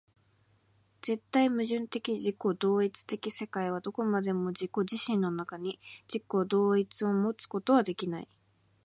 絶対矛盾的自己同一的世界はどこまでも自己自身の中に、自己同一をもつことはできない。